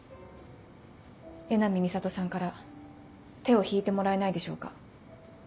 江波美里さんから手を引いてもらえないでしょうか。